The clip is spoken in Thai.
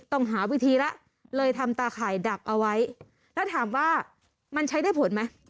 ต้องหาวิธีละเลยทำตาข่ายดักเอาไว้แล้วถามว่ามันใช้ได้ผลไหม